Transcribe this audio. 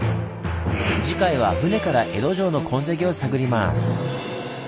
次回は船から江戸城の痕跡を探ります！